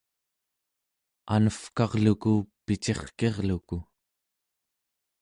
anevkarluku picirkirluku